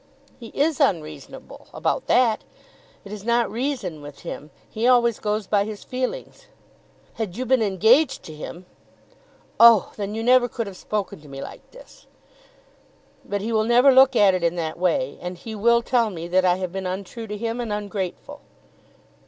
"He is unreasonable about that. It is not reason with him. He always goes by his feelings. Had you been engaged to him " "Oh, then, you never could have spoken to me like this." "But he will never look at it in that way; and he will tell me that I have been untrue to him and ungrateful."